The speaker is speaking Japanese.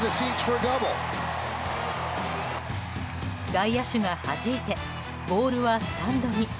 外野手がはじいてボールはスタンドに。